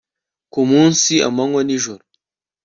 ku munsi, amanywa n'ijoro